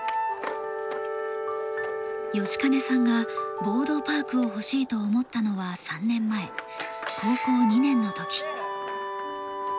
吉金さんがボードパークを欲しいと思ったのは３年前高校２年のとき。